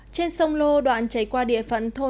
trên sông lô đoạn chảy qua địa phận thôn